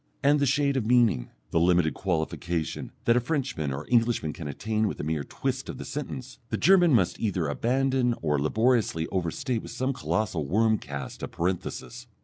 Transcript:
And the shade of meaning, the limited qualification, that a Frenchman or Englishman can attain with a mere twist of the sentence, the German must either abandon or laboriously overstate with some colossal wormcast of parenthesis....